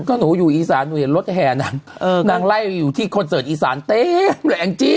ก็หนูอยู่อีสานหนูอยู่รถแห่นางนางไล่อยู่ที่คอนเซิร์ตอีสานเตี้ยงแหล่งจี๊